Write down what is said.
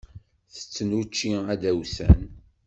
Ttetten učči adawsan.